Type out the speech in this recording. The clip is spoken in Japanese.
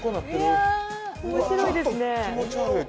面白いですね。